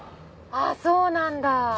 あぁそうなんだ。